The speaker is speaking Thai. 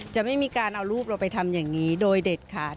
จะไม่มีการเอารูปเราไปทำอย่างนี้โดยเด็ดขาด